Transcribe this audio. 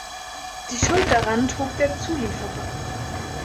Die Schuld daran trug der Zulieferer.